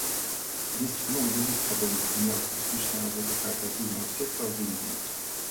Есть много других подобных примеров успешной работы кооперативного сектора в Индии.